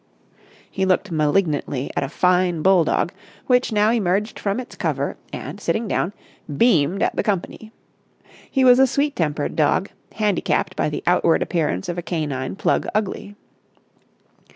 He looked malignantly at a fine bulldog which now emerged from its cover and, sitting down, beamed at the company. He was a sweet tempered dog, handicapped by the outward appearance of a canine plug ugly.